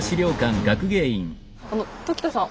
あの時田さん